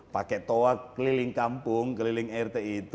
pakai toa keliling kampung keliling rt itu